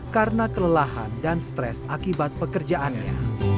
karena kelelahan dan stres akibat pekerjaannya